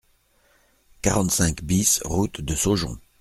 quarante-cinq BIS route de Saujon